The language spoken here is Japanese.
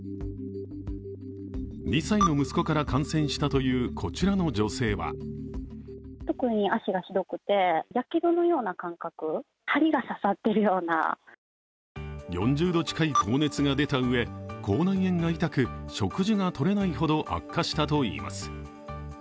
２歳の息子から感染したというこちらの女性は４０度近い高熱が出たうえ、口内炎が痛く、食事がとれないほど悪化したといいます。